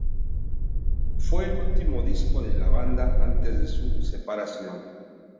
Fue el último disco de la banda antes de su separación.